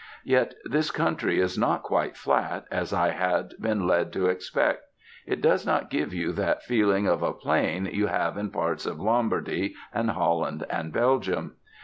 Yet this country is not quite flat, as I had been led to expect. It does not give you that feeling of a plain you have in parts of Lombardy and Holland and Belgium.